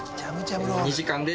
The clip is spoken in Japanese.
２時間で。